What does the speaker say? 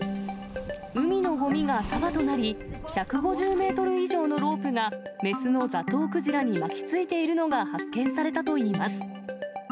海のごみが束となり、１５０メートル以上のロープが、雌のザトウクジラに巻きついているのが発見されたといいます。